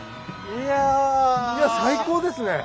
いや最高ですね。